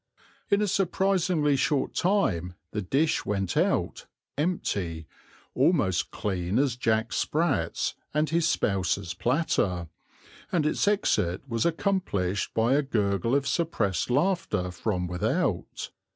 In a surprisingly short time the dish went out, empty, almost clean as Jack Sprat's and his spouse's platter, and its exit was accomplished by a gurgle of suppressed laughter from without.